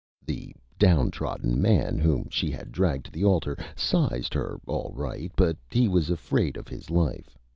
The Down Trodden Man, whom she had dragged to the Altar, sized Her all right, but he was afraid of his Life.